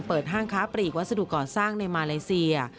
ห้างค้าปลีกวัสดุก่อสร้างในมาเลเซีย